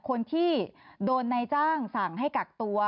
คนที่โดนนายจ้างสั่งให้กักตัว